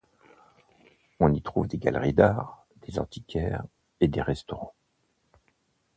On y trouve des galeries d’art, des antiquaires et des restaurants.